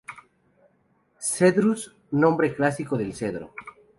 Cedrus: nombre clásico del cedro.